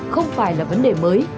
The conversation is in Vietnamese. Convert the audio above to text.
không phải là vấn đề mới